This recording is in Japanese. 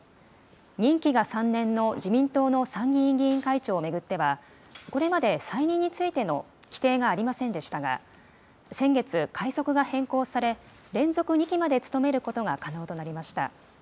任期が３年の自民党の参議院議員会長を巡っては、これまで再任についての規定がありませんでしたが、先月、会則が変更され、連続２期まで務めることが可能となりました。